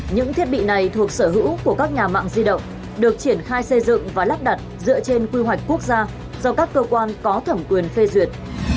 những thiết bị này thuộc sở hữu của các nhà mạng di động được triển khai xây dựng và lắp đặt dựa trên quy hoạch quốc gia do các cơ quan có thẩm quyền phê duyệt